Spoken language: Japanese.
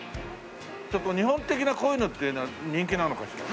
日本的なこういうのっていうのは人気なのかしら？